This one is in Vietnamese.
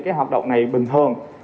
cái hoạt động này bình thường